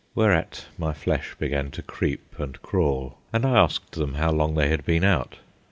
Whereat my flesh began to creep and crawl, and I asked them how long they had been out.